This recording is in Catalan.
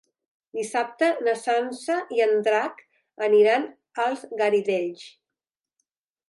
Dissabte na Sança i en Drac aniran als Garidells.